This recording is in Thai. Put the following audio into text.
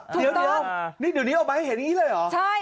ถูกต้องนี่เดี๋ยวนี้ออกมาให้เห็นอย่างงี้เลยเหรอใช่